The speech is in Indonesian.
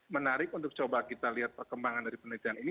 menarik untuk coba kita lihat perkembangan dari penelitian ini